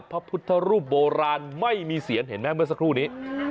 พระพุทธรูปโบราณไม่มีเสียงเห็นไหมเมื่อสักครู่นี้